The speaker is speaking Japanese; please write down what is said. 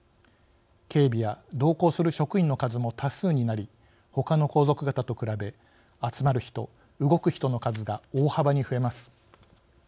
警備や同行する職員の数も多数になり、他の皇族方と比べ集まる人、動く人の数が大幅に増えます。